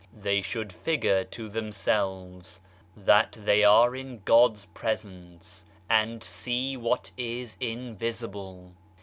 They should figure to themselves that they are in God's presence, and see what is invisible.